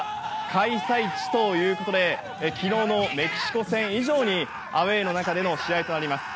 開催地ということで昨日のメキシコ戦以上にアウェーの中での試合となります。